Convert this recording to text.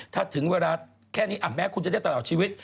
ถ้าถึงเวลาแค่นี้แม้คุณจะได้ตลอดชีวิต